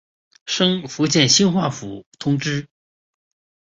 升福建兴化府同知。